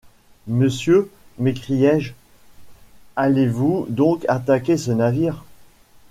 Monsieur, m’ecriai-je, allez-vous donc attaquer ce navire ?